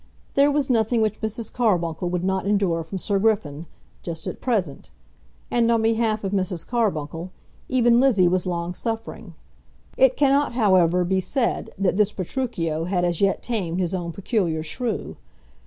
There was nothing which Mrs. Carbuncle would not endure from Sir Griffin, just at present; and, on behalf of Mrs. Carbuncle, even Lizzie was long suffering. It cannot, however, be said that this Petruchio had as yet tamed his own peculiar shrew.